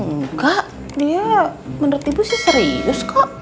enggak dia menurut ibu sih serius kok